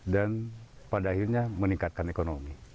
dan pada akhirnya meningkatkan ekonomi